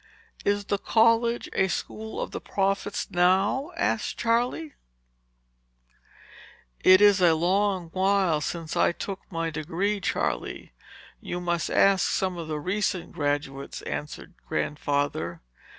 "Is the college a school of the prophets now?" asked Charley. "It is a long while since I took my degree, Charley. You must ask some of the recent graduates," answered Grandfather.